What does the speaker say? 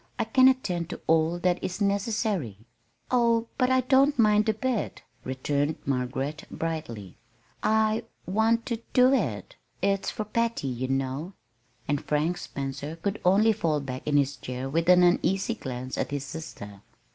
I can attend to all that is necessary." "Oh, but I don't mind a bit," returned Margaret, brightly. "I want to do it. It's for Patty, you know." And Frank Spencer could only fall back in his chair with an uneasy glance at his sister.